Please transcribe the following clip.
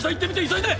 急いで！！